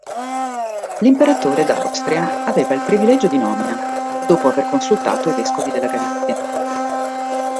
L'imperatore d'Austria aveva il privilegio di nomina, dopo aver consultato i vescovi della Galizia.